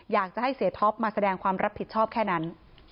อยากจะให้เสียท็อปมาแสดงความรับผิดชอบแค่นั้น